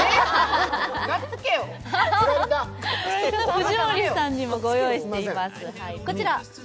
藤森さんにもご用意しております。